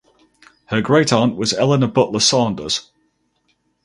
Her great aunt was Eleanor Butler Sanders.